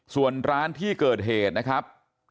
ส่วนร้านที่เกิดเหตุนะครับ